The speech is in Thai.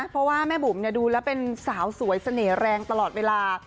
เพราะว่าแม่บุ๋มดูแล้วเป็นสาวสวยเสน่ห์แรงตลอดเวลา